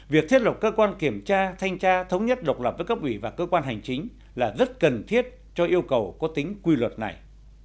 việc thiết lập cơ quan kiểm tra thanh tra thống nhất độc lập với cấp ủy và cơ quan hành chính là rất cần thiết cho yêu cầu có tính quy luật này